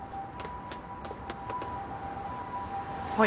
はい。